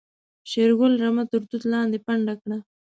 شېرګل رمه تر توت لاندې پنډه کړه.